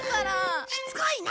しつこいな！